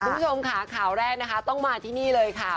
คุณผู้ชมค่ะข่าวแรกนะคะต้องมาที่นี่เลยค่ะ